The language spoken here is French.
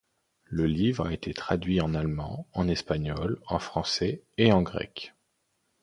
Le livre a été traduit en allemand, en espagnol, en français et en grec.